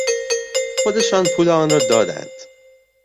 خودشان پول آن را دادند.